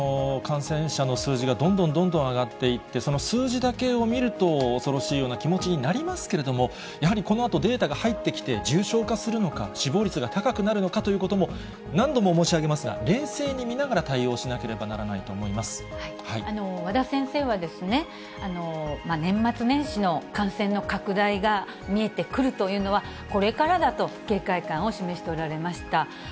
感染者の数字がどんどんどんどん上がっていって、その数字だけを見ると、恐ろしいような気持になりますけれども、やはりこのあとデータが入ってきて重症化するのか死亡率が高くなるのかということも、何度も申し上げますが、冷静に見ながら対応しなければならないと和田先生は、年末年始の感染の拡大が見えてくるというのは、これからだと警戒感を示しておられました。